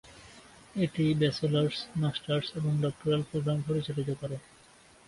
এটি bachelors, masters এবং doctoral programme পরিচালিত করে।